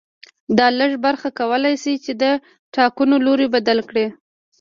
دا لږه برخه کولای شي چې د ټاکنو لوری بدل کړي